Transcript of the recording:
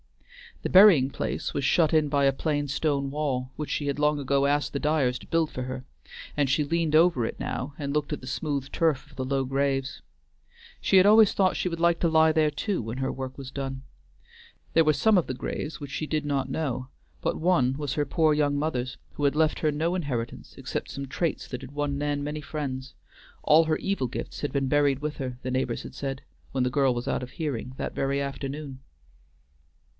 The burying place was shut in by a plain stone wall, which she had long ago asked the Dyers to build for her, and she leaned over it now and looked at the smooth turf of the low graves. She had always thought she would like to lie there too when her work was done. There were some of the graves which she did not know, but one was her poor young mother's, who had left her no inheritance except some traits that had won Nan many friends; all her evil gifts had been buried with her, the neighbors had said, when the girl was out of hearing, that very afternoon.